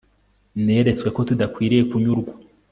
Neretswe ko tudakwiriye kunyurwa